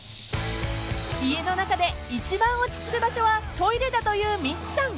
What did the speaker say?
［家の中で一番落ち着く場所はトイレだというミッツさん］